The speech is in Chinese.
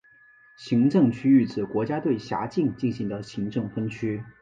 行政区划指国家对辖境进行的行政分区。